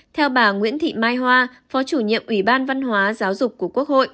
theo bà nguyễn thị mai hoa phó chủ nhiệm ủy ban văn hóa giáo dục của quốc hội